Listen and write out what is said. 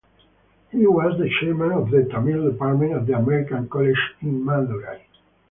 He was the Chairman of the Tamil department at The American College in Madurai.